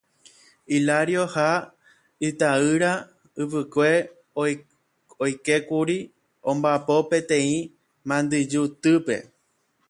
Hilario ha itaýra ypykue oikékuri omba'apo peteĩ Mandyjutýpe.